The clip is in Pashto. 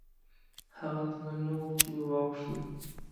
هغه تونل نه و چې ورواوښتو.